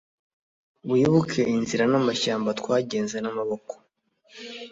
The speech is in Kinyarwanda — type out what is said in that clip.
Wibuke inzira namashyamba twagenze namaboko